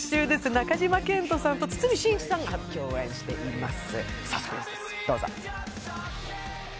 中島健人さんと堤真一さんが初共演しています